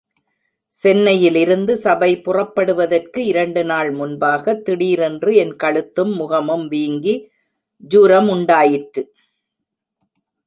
சென்னையிலிருந்து சபை புறப்படுவதற்கு இரண்டு நாள் முன்பாக, திடீரென்று என் கழுத்தும் முகமும் வீங்கி ஜுரமுண்டாயிற்று.